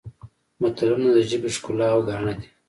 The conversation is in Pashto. متلونه د ژبې ښکلا او ګاڼه دي